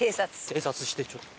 偵察してちょっと。